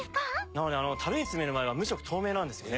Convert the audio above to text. なので樽に詰める前は無色透明なんですよね